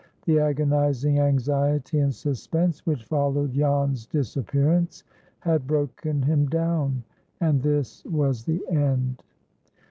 The agonizing anxiety and suspense which followed Jan's disappearance had broken him down, and this was the end.